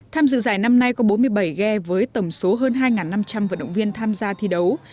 tham dự giải năm nay có bốn mươi bảy ghe với tổng số hơn hai năm trăm linh vận động viên tham gia thi đấu